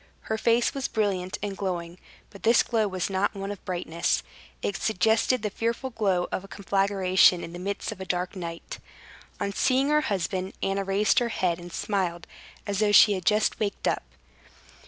Her face was brilliant and glowing; but this glow was not one of brightness; it suggested the fearful glow of a conflagration in the midst of a dark night. On seeing her husband, Anna raised her head and smiled, as though she had just waked up.